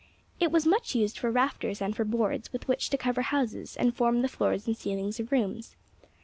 It was much used for rafters and for boards with which to cover houses and form the floors and ceilings of rooms.